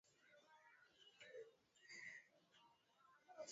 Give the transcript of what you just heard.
amesema wanajeshi waliwaua wapiganaji kumi na moja jana Jumanne